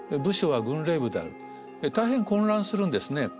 大変混乱するんですね。